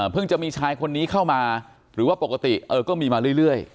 จะมีชายคนนี้เข้ามาหรือว่าปกติก็มีมาเรื่อย